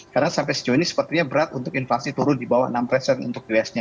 karena sampai sejauh ini sepertinya berat untuk inflasi turun di bawah enam untuk us nya